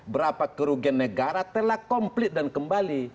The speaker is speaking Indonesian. berapa kerugian negara telah komplit dan kembali